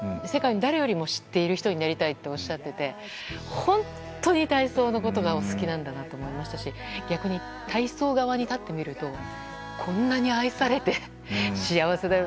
世界の誰よりも知っている人になりたいとおっしゃっていて本当に体操のことがお好きなんだなと思いましたし逆に体操側に立ってみるとこんなに愛されて幸せ。